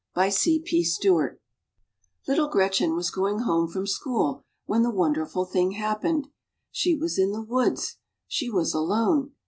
'T~ ITTLE Gretchen was going home from school when the wonderful thing happened. She was in the woods. She was alone.